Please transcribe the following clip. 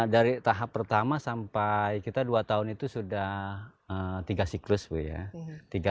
dari tahap pertama sampai kita dua tahun itu sudah tiga siklus ya